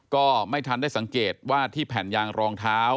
ก็ไม่ทันได้สังเกตว่าที่แผ่นยางรองเท้า